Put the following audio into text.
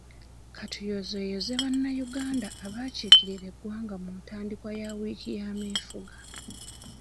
Ka tuyozeeyoze bannayuganda abakiikirira eggwanga ku ntandikwa ya wiiki y'ameefuga.